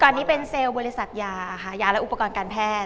ตอนนี้เป็นเซลล์บริษัทยาค่ะยาและอุปกรณ์การแพทย์